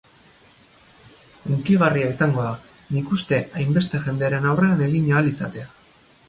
Hunkigarria izango da, nik uste, hainbeste jenderen aurrean egin ahal izatea.